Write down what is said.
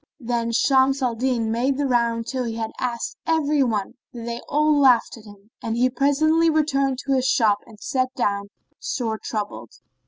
Then Shams al Din made the round till he had asked every one, but they all laughed at him, and presently he returned to his shop and sat down, sore troubled.